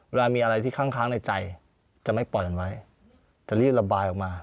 เวลามีอะไรที่ข้างในใจจะไม่ปล่อยมันไว้จะรีบระบายออกมา